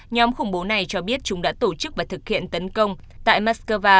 nhóm khủng bố này cho biết chúng đã tổ chức và thực hiện tấn công tại moscow